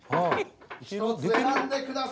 １つ選んで下さい。